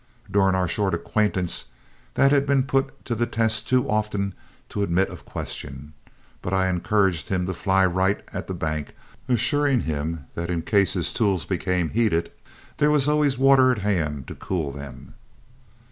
During our short acquaintance that had been put to the test too often to admit of question; but I encouraged him to fly right at the bank, assuring him that in case his tools became heated, there was always water at hand to cool them.